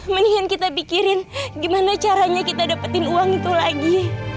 mendingan kita pikirin gimana caranya kita dapetin uang itu lagi